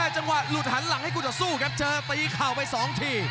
จังหวะหลุดหันหลังให้คู่ต่อสู้ครับเจอตีเข่าไป๒ที